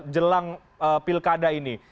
jelang pilkada ini